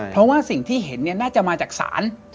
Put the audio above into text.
เพราะว่าสิ่งที่เห็นน่าจะมาจากศาล